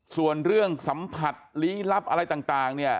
ส่วนเรื่องสัมผัสลี้ลับอะไรต่างเนี่ย